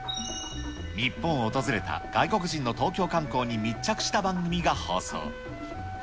日本を訪れた外国人の東京観光に密着した番組が放送。